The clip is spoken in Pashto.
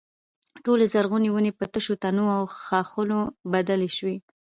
ټولې زرغونې ونې په تشو تنو او ښاخلو بدلې شوې.